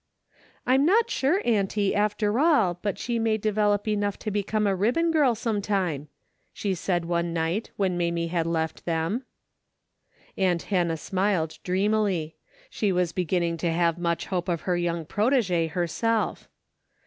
" I'm not sure, auntie, after all, but she may develop enough to become a ribbon girl some time," she said one night, when Mamie had left them. Aunt Hannah smiled dreamily. She was beginning to have much hope of her young protegee herself.